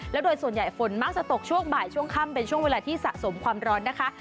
แล้วโดยส่วนใหญ่ฝนมักจะตกช่วงบ่ายช่วงค่ำเป็นช่วงเวลาที่สะสมความร้อนนะคะ